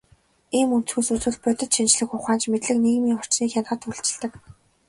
Ийм өнцгөөс үзвэл, бодит шинжлэх ухаанч мэдлэг нийгмийн орчныг хянахад үйлчилдэг.